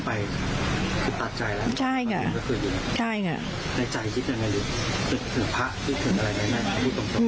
ในใจคิดอะไรดินึกถึงพระนึกถึงอะไรด้วยนะพูดตรง